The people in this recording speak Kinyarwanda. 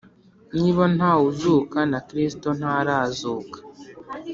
Niba nta wuzuka na Kristo ntarakazuka